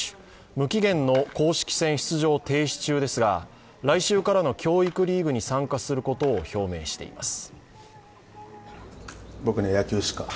無期限の公式戦出場停止中ですが来週からの教育リーグに参加することを表明しています。